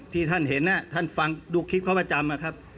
ที่ท่านเห็นท่านฟังดูคลิปเขาประจำนะครับ